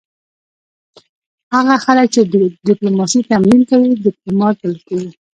هغه خلک چې ډیپلوماسي تمرین کوي ډیپلومات بلل کیږي